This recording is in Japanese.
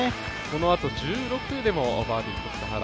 このあと１６でもバーディーをとった原。